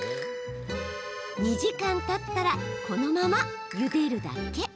２時間たったらこのままゆでるだけ。